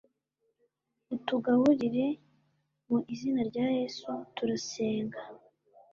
utugaburire, mu izina rya yesu turasenga